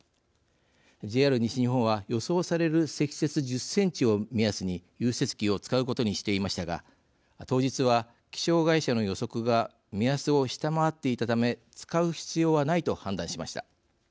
ＪＲ西日本は予想される積雪１０センチを目安に融雪器を使うことにしていましたが当日は気象会社の予測が目安を下回っていたため使う必要はないと判断しました。